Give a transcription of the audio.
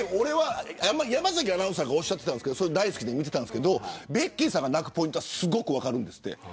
山崎アナウンサーがおっしゃってたんですけどベッキーさんが泣くポイントはすごく分かるんですって。